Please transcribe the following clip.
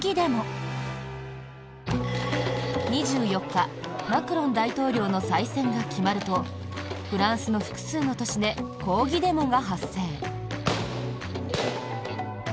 ２４日、マクロン大統領の再選が決まるとフランスの複数の都市で抗議デモが発生。